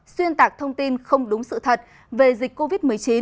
xuyên tạc thông tin không đúng sự thật về dịch covid một mươi chín